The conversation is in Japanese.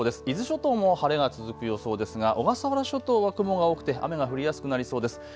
伊豆諸島も晴れが続く予想ですが小笠原諸島は雲が多くて雨が降りやすくなりそうです。